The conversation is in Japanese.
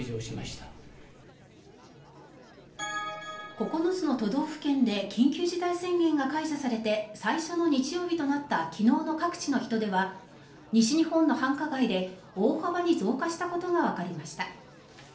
９つの都道府県で緊急事態宣言が解除されて最初の日曜日となった昨日の各地の人出は西日本の繁華街で大幅に増加したことがわかりました。